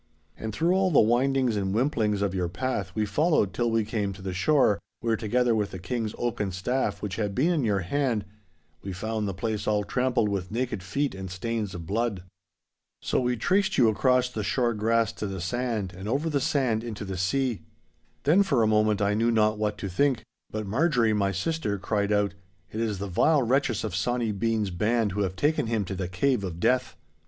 'And through all the windings and wimplings of your path we followed till we came to the shore, where, together with the King's oaken staff which had been in your hand, we found the place all trampled with naked feet and stains of blood. So we traced you across the shore grass to the sand and over the sand into the sea, with a company of bare feet and many stains of blood. 'Then for a moment I knew not what to think. But Marjorie, my sister, cried out, "It is the vile wretches of Sawny Bean's band who have taken him to the Cave of Death!"